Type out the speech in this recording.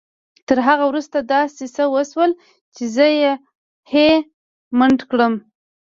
تر هغه وروسته داسې څه وشول چې زه يې هيλε مند کړم.